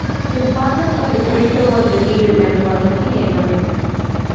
His fondness for literature was revealed when he was a teenager.